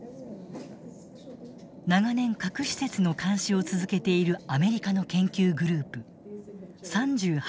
長年核施設の監視を続けているアメリカの研究グループ３８